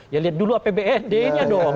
ya lihat dulu apbsd nya dong